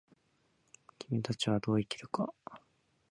君たちはどう生きるか。